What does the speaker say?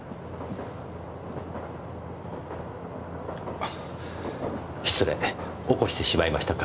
あ失礼起こしてしまいましたか？